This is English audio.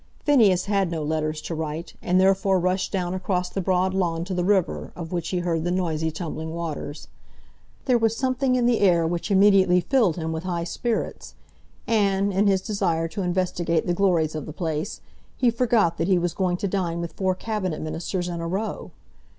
Phineas had no letters to write, and therefore rushed down across the broad lawn to the river, of which he heard the noisy tumbling waters. There was something in the air which immediately filled him with high spirits; and, in his desire to investigate the glories of the place, he forgot that he was going to dine with four Cabinet Ministers in a row.